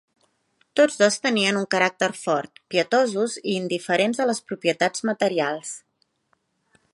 Tots dos tenien un caràcter fort, pietosos i indiferents a les propietats materials.